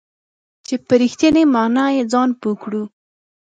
چې په رښتینې معنا یې ځان پوه کړو .